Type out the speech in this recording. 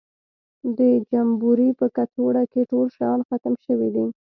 د جمبوري په کڅوړه کې ټول شیان ختم شوي دي.